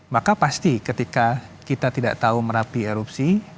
maka pasti ketika kita tidak tahu merapi erupsi